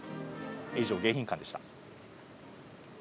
以上、迎賓館でした。